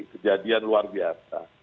kejadian luar biasa